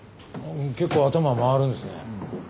結構頭回るんですね。